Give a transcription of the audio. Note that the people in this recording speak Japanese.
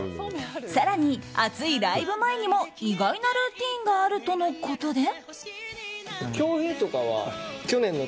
更に熱いライブ前にも、意外なルーティンがあるということで。